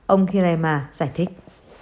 ông hirayama giải thích